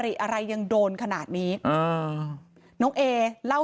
เหตุการณ์เกิดขึ้นแถวคลองแปดลำลูกกา